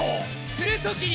するときに。